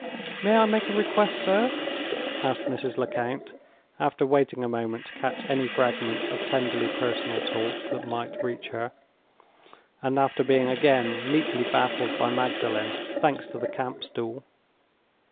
"May I make a request, sir?" asked Mrs. Lecount, after waiting a moment to catch any fragments of tenderly personal talk that might reach her, and after being again neatly baffled by Magdalen—thanks to the camp stool.